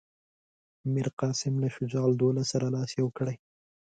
میرقاسم له شجاع الدوله سره لاس یو کړی.